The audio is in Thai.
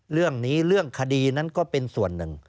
เรื่องนี้เรื่องคดีนั้นก็เป็นส่วนหนึ่ง